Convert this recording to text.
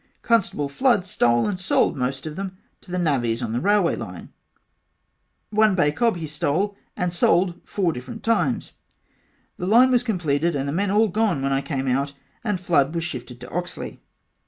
Constable Flood stole and sold the most of them to the navvies on the railway line one bay cob he stole and sold four different times the line was completed and the men all gone when I came out and Flood was shifted to Oxley.